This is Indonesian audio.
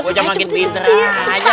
gua cuman bikin pintar aja